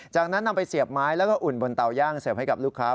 จากนั้นนำไปเสียบไม้แล้วก็อุ่นบนเตาย่างเสิร์ฟให้กับลูกค้า